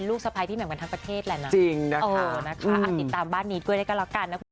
ลูกสายคนโตเนี่ยคุณผู้ชมดู